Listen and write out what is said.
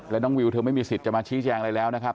แล้วน้องวิวเธอไม่มีสิทธิ์จะมาชี้แจงอะไรแล้วนะครับ